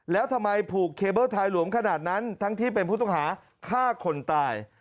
แล้วทำไมผูกเคเบิ้ลทายหลวมขนาดนั้นทั้งที่เป็นผู้ต้องหาฆ่าคนตาย